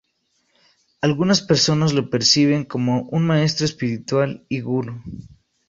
Algunas personas lo perciben como un maestro espiritual y gurú.